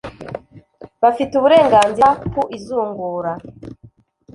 bafite uburenganzira ku izungura